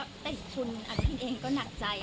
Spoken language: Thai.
แต่คุณอาทิตย์เองก็หนักใจ